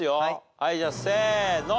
はいじゃあせーの。